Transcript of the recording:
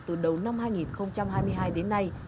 từ đầu năm hai nghìn hai mươi hai đến nay